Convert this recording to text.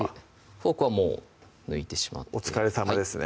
フォークはもう抜いてしまってお疲れさまですね